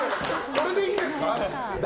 これでいいんですか。